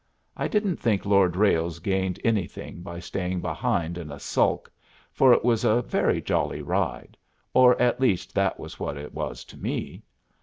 I don't think Lord Ralles gained anything by staying behind in a sulk, for it was a very jolly ride, or at least that was what it was to me.